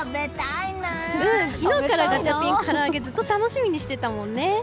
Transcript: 昨日からガチャピンからあげずっと楽しみにしてたもんね。